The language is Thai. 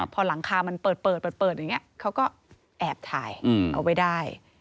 พอหลังคามันเปิดก็แอบถ่ายเอาไว้ได้